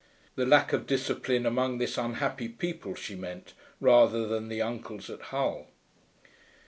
The lack of discipline among this unhappy people, she meant, rather than the uncles at Hull.